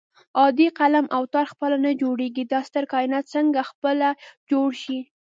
عادي قلم او تار خپله نه جوړېږي دا ستر کائنات څنګه خپله جوړ شي